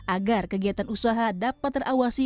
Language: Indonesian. agar kegiatan usaha dapat terawasi